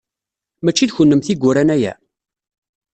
Mačči d kennemti i yuran aya?